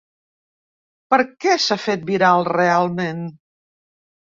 Per què s’ha fet viral, realment.